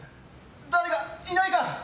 誰か、いないか！